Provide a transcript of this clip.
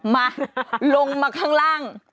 มาลงมาข้างล่าง